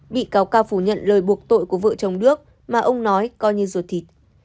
bị cáo cao phủ nhận lời buộc tội của vợ chồng đức mà ông nói coi như ruột thịt